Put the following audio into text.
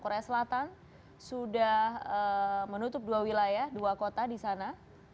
korea selatan sudah menutup dua wilayah dua kota di sana